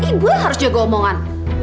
ibu harus jaga omongan